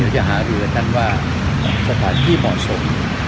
จะถามให้ท่านคิดว่าสถานที่เหมาะสม